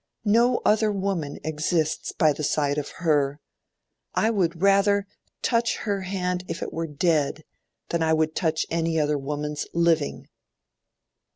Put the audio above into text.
No other woman exists by the side of her. I would rather touch her hand if it were dead, than I would touch any other woman's living."